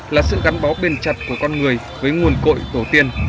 là sự gắn bó bền chặt của con người với nguồn cội tổ tiên